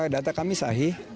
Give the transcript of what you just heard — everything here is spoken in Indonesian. data kami sahih